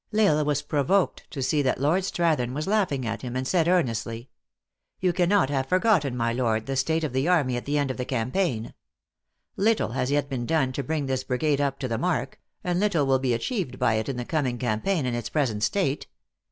L Isle was provoked to see that Lord Strath ern was aughing at him, and said, earnestly, " You cannot have forgotten, my lord, the state of the army at the end of the campaign. Little has yet been done to bring this brigade up to the mark, and little will be achieved by it in the coming campaign in its present state.